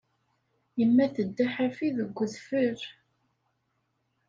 Yemma tedda ḥafi deg wedfel.